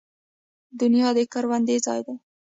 دنیا د کروندې ځای دی